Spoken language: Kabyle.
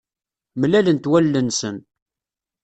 Mlalent wallen-nsen.